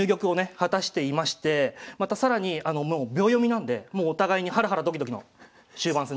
果たしていましてまた更にもう秒読みなんでもうお互いにハラハラドキドキの終盤戦ですね。